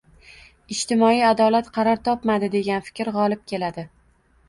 — «ijtimoiy adolat qaror topmadi», degan fikr g‘olib keladi.